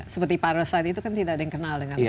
seperti parlo saat itu kan tidak ada yang kenal dengan aktornya